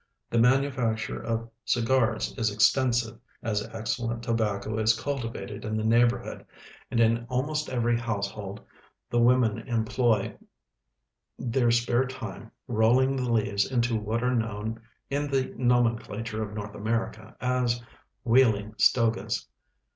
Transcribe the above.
The manu facture of cigars is extensive, as excellent tobacco is cultivated in the neighl)orhood, and in almost every household the women emjtloy their sjiare time rolling the leaves into what are known in the nomenclature of N(wth America as " Wheeling stogas."